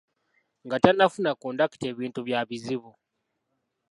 Nga tannafuna kondakita ebintu bya bizibu.